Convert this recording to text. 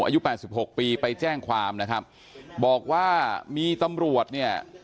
อายุแปดสิบหกปีไปแจ้งความนะครับบอกว่ามีตำรวจเนี่ย